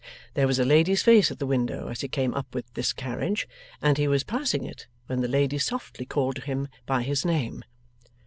There was a lady's face at the window as he came up with this carriage, and he was passing it when the lady softly called to him by his name.